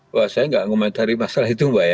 mbak saya gak ngomentari masalah itu mbak ya